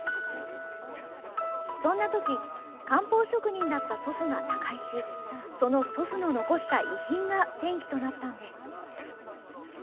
そんな時漢方職人だった祖父が他界しその祖父の残した遺品が転機となったんです。